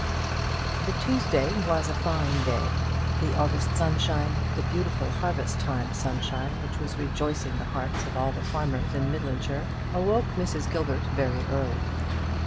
The Tuesday was a fine day. The August sunshine the beautiful harvest time sunshine which was rejoicing the hearts of all the farmers in Midlandshire awoke Mrs. Gilbert very early.